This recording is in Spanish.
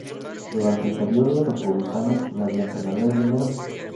Durante el periodo Republicano, mediante la ley No.